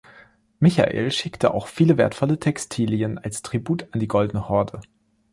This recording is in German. Michael schickte auch viele wertvolle Textilien als Tribut an die Goldene Horde.